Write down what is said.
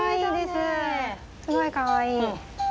すごいかわいい。